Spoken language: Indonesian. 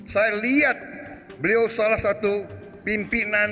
saya lihat beliau salah satu pimpinan